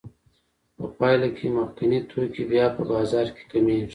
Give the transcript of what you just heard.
په پایله کې مخکیني توکي بیا په بازار کې کمېږي